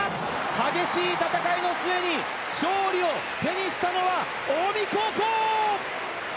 激しい戦いの末に勝利を手にしたのは近江高校！